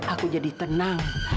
aku jadi tenang